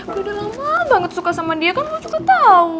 gue udah lama banget suka sama dia kan lo cukup tau